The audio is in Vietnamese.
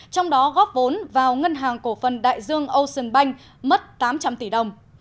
trong đó góp vốn vào ngân hàng cổ phần đại dương ocean bank mất tám trăm linh tỷ đồng